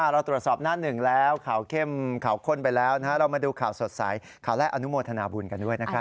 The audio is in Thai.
เราตรวจสอบหน้าหนึ่งแล้วข่าวเข้มข่าวข้นไปแล้วเรามาดูข่าวสดใสข่าวแรกอนุโมทนาบุญกันด้วยนะครับ